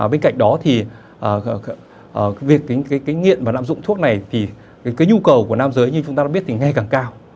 bên cạnh đó thì việc nghiện mà lạm dụng thuốc này thì cái nhu cầu của nam giới như chúng ta đã biết thì ngay càng cao